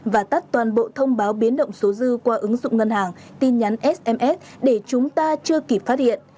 và tắt toàn bộ thông báo biến động số dư qua ứng dụng ngân hàng tin nhắn sms để chúng ta chưa kịp phát hiện